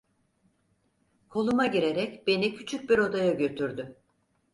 Koluma girerek beni küçük bir odaya götürdü.